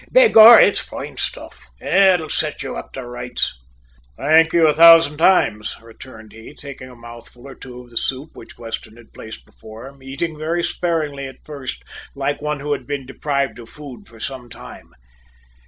Begorrah, it's foine stuff, an'll set ye up a bit to roights!" "Thank you a thousand times," returned he, taking a mouthful or two of the soup which Weston had placed before him, eating very sparingly at first like one who had been deprived of food for some time.